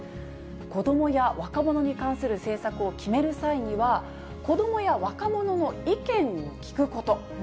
子どもや若者に関する政策を決める際には、子どもや若者の意見を聞くこと。